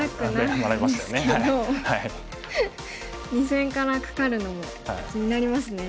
２線からカカるのも気になりますね。